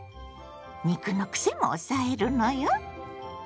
肉のクセも抑えるのよ。